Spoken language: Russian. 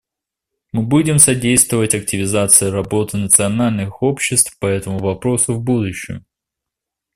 Мы будем содействовать активизации работы национальных обществ по этому вопросу в будущем.